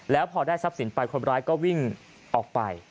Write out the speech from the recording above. แล้วพอได้ทรัพย์สินไปคนร้ายก็วิ่งออกไป